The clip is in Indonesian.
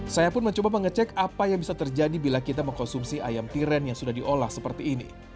saya pun mencoba mengecek apa yang bisa terjadi bila kita mengkonsumsi ayam tiren yang sudah diolah seperti ini